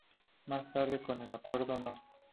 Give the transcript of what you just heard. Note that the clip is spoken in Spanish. Más tarde, con el Acuerdo No.